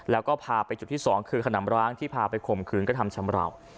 แล้วก็พาไปจุดที่๒คือขนำร้างที่พาไปข่มขืนกระทำชำราว